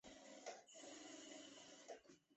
瓦朗斯人口变化图示